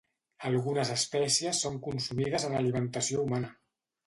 Algunes espècies són consumides en alimentació humana.